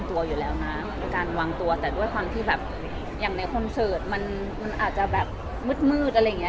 แต่ว่าจริงเราแกก็เป็นคนที่ค่อนข้างระวังตัวอยู่แล้วนะ